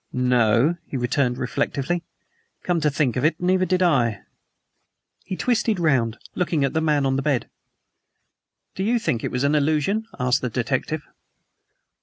"No," he returned reflectively; "come to think of it, neither did I." He twisted around, looking at the man on the bed. "Do you think it was all an illusion?" asked the detective.